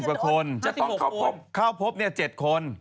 ๕๐ประกวดข้าวโพพ๗คน